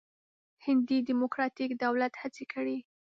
هندي ډموکراتیک دولت هڅې کړې.